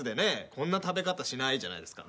こんな食べ方しないじゃないですか。